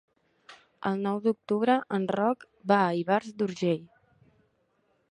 El nou d'octubre en Roc va a Ivars d'Urgell.